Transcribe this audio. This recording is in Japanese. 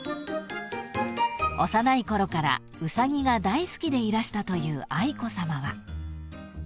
［幼いころからウサギが大好きでいらしたという愛子さまは］